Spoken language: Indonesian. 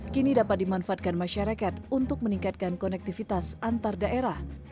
kini dapat dimanfaatkan masyarakat untuk meningkatkan konektivitas antar daerah